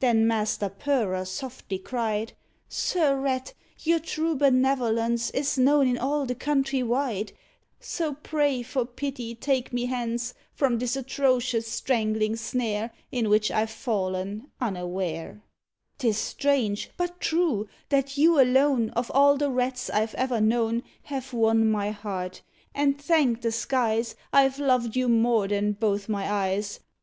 Then Master Purrer softly cried, "Sir Rat, your true benevolence Is known in all the country wide; So pray, for pity, take me hence From this atrocious, strangling snare In which I've fallen, unaware; 'Tis strange, but true, that you alone, Of all the Rats I've ever known, Have won my heart, and, thank the skies! I've loved you more than both my eyes.